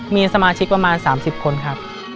มีสมาชิกประมาณ๓๐คนครับ